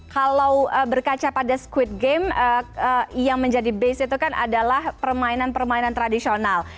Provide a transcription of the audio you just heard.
kalau berkaca pada squid game yang menjadi base itu kan adalah permainan permainan tradisional